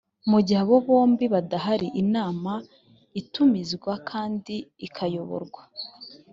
mu gihe abo bombi badahari inama itumizwa kandi ikayoborwa